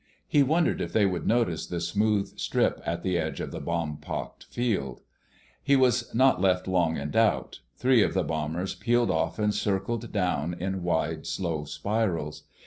He wondered if they would notice the smooth strip at the edge of the bomb pocked field. He was not left long in doubt. Three of the bombers peeled off and circled down in wide, slow spirals.